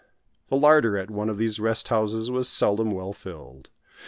The larder at one of those rest houses was seldom well filled.